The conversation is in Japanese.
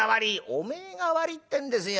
お前が悪い』ってんですよ。